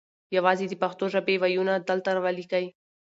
یوازې د پښتو ژبې وییونه دلته وليکئ